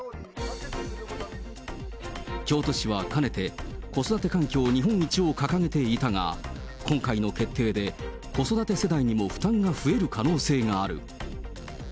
京都市はかねて、子育て環境日本一を掲げていたが、今回の決定で、子育て世代にも負担が増える可能性がある。